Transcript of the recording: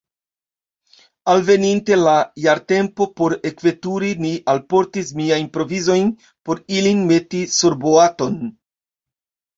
Alveninte la jartempo por ekveturi, ni alportis miajn provizojn por ilin meti surboaton.